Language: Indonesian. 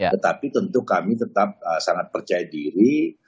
tetapi tentu kami tetap sangat percaya diri